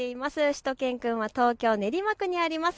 しゅと犬くんは東京練馬区にあります